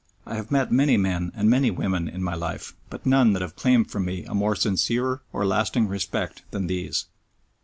I have met many men and many women in my life, but none that have claimed from me a more sincere or lasting respect than these.